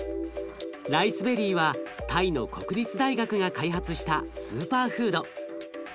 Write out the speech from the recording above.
ライスベリーはタイの国立大学が開発したスーパーフード。